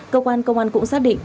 cơ quan công an cũng xác định